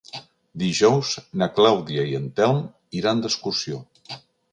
Dijous na Clàudia i en Telm iran d'excursió.